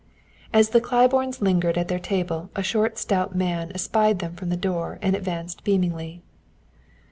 As the Claibornes lingered at their table a short stout man espied them from the door and advanced beamingly.